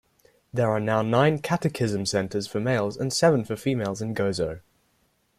There are now nine catechism centres for males and seven for females in Gozo.